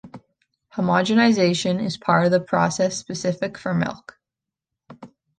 Homogenization is part of the process specific for milk.